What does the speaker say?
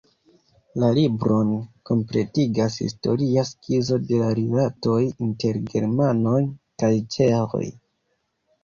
La libron kompletigas historia skizo de la rilatoj inter germanoj kaj ĉeĥoj.